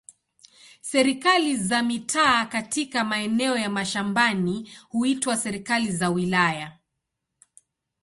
Serikali za mitaa katika maeneo ya mashambani huitwa serikali za wilaya.